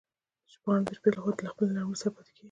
شپانه د شپې لخوا له خپلي رمې سره پاتي کيږي